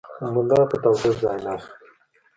ملا به په تاوده ځای ناست و.